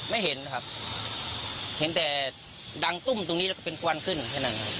ไม่เห็นนะคะเห็นแต่ด้านกเลยเป็นกว้านขึ้นทั้งนั้น